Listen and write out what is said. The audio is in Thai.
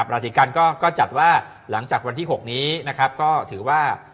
ราศีกันก็จัดว่าหลังจากวันที่๖นี้นะครับก็ถือว่า